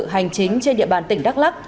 hành chính trên địa bàn tỉnh đắk lắc